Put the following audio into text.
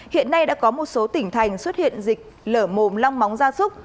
hiện nay đã có một số tỉnh thành xuất hiện dịch lở mồm long móng gia súc